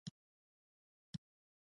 آیا خواجو پل هم ډیر ښکلی نه دی؟